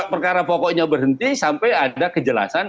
perkara pokoknya berhenti sampai ada kejelasan